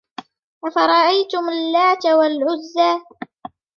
أَفَرَأَيْتُمُ اللَّاتَ وَالْعُزَّى